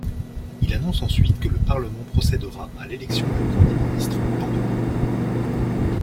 Il annonce ensuite que le Parlement procèdera à l'élection d'un Premier ministre le lendemain.